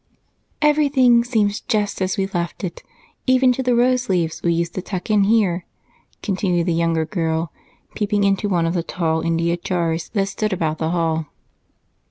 "Everything seems just as we left it, even to the rose leaves we used to tuck in here," continued the younger girl, peeping into one of the tall India jars that stood about the hall.